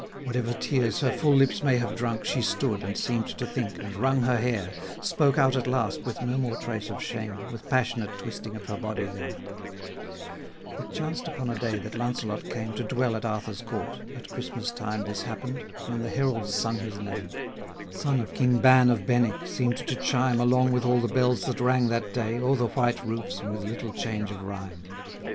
Whatever tears her full lips may have drunk, She stood, and seemed to think, and wrung her hair, Spoke out at last with no more trace of shame, With passionate twisting of her body there: It chanced upon a day that Launcelot came To dwell at Arthur's court: at Christmas time This happened; when the heralds sung his name, Son of King Ban of Benwick, seemed to chime Along with all the bells that rang that day, O'er the white roofs, with little change of rhyme.